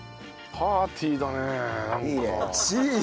パーティーだねなんか。